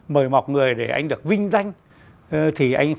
mời mọc người để anh được vinh danh